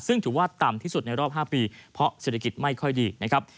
ซึ่งถือว่าต่ำที่สุดในรอบ๕ปีเพราะเศรษฐกิจไม่ค่อยดีนะครับ